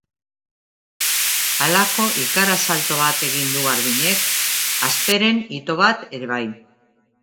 Halako ikara-salto bat egin du Garbiñek, hasperen ito bat ere bai.